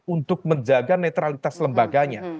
untuk menjaga netralitas lembaganya